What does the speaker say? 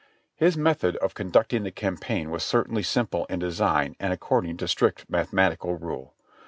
His method of conducting the campaign was certainly simple in design and according to strict mathematical rule.